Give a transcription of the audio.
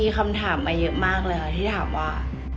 คำถามมาเยอะมากเลยค่ะที่ถามว่า